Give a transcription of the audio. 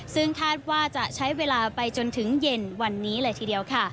ซึ่งคาดว่าจะใช้เวลาไปจนถึงเย็นวันนี้เลยทีเดียวค่ะ